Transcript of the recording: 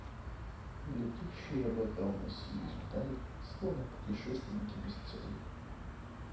Летящие облака уносились вдаль, словно путешественники без цели.